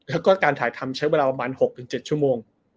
แล้วก็การถ่ายทำใช้เวลาประมาณ๖๗ชั่วโมง